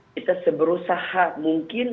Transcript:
kita seberusaha mungkin